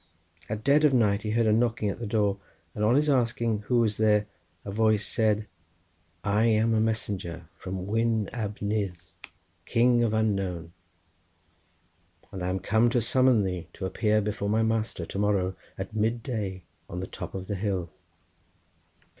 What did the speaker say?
At dead of night he heard a knocking at the door, and on his asking who was there, a voice said: "I am a messenger from Wyn Ab Nudd, king of Unknown, and I am come to summon thee to appear before my master to morrow, at midday, on the top of the hill."